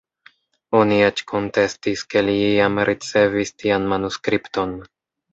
Oni eĉ kontestis, ke li iam ricevis tian manuskripton.